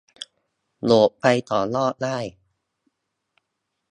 โหลดไปต่อยอดได้